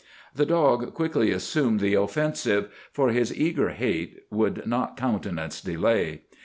The dog quickly assumed the offensive, for his eager hate would not countenance delay.